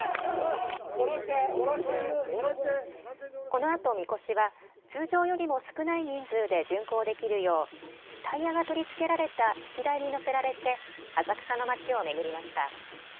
このあとみこしは通常よりも少ない人数で巡行できるようタイヤが取り付けられた曳台に載せられて浅草の町を巡りました。